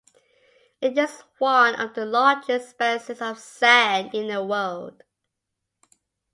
It is one of the largest expanses of sand in the world.